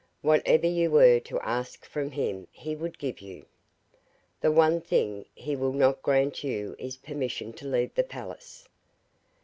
Whatever you were to ask from him he would give you. The one thing he will not grant you is permission to leave the palace.